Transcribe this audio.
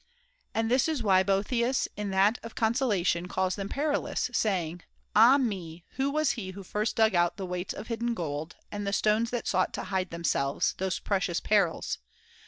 And this is why Boethius in that of Consolation calls them perilous, saying :' Ah me, who was he who first dug out the weights of hidden gold, and the stones that sought to hide themselves, those precious perils